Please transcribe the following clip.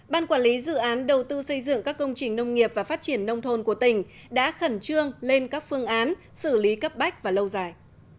ban quản lý dự án đầu tư xây dựng các công trình nông nghiệp và phát triển nông thôn của tỉnh đã khẩn trương lên các phương án xử lý cấp bách và lâu dài